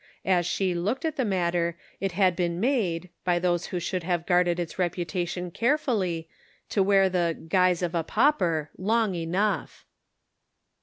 As she looked at the matter, it had been made, by those who should have guarded its reputation carefully to wear the " guise of a pauper " long enough.